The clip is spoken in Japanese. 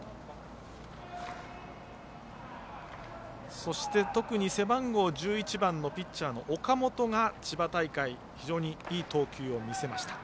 そして、特に背番号１１番のピッチャーの岡本が千葉大会で非常にいい投球を見せました。